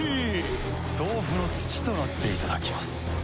トウフの土となっていただきます。